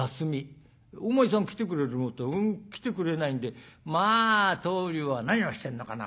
お前さん来てくれるもんと思ったら来てくれないんで『まあ棟梁は何をしてるのかな